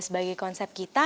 sebagai konsep kita